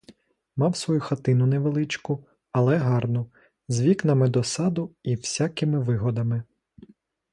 Мав свою хатину, невеличку, але гарну, з вікнами до саду і всякими вигодами.